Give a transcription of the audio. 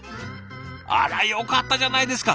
あらよかったじゃないですか。